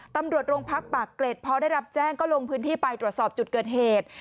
ตำรวจโรงพักปากเกร็ดพอได้รับแจ้งก็ลงพื้นที่ไปตรวจสอบจุดเกิดเหตุ